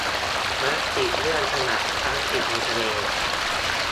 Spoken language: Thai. มติเรื่องขยะพลาสติกในทะเล